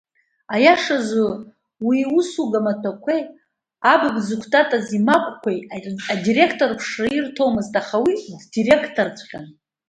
Аиашазы уи иусуга матәақәеи абыб зықәтатаз имагәқәеи адиректорԥшра ирҭомызт, аха уи ддиректорҵәҟьан!